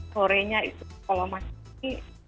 sorenya itu kalau masih